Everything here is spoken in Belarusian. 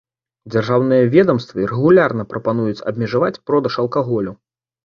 Дзяржаўныя ведамствы рэгулярна прапануюць абмежаваць продаж алкаголю.